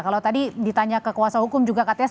kalau tadi ditanya ke kuasa hukum juga kak tes